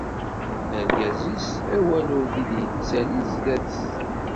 Argaz-is awal ur t-id-yettali sdat-s.